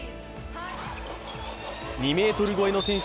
２ｍ超えの選手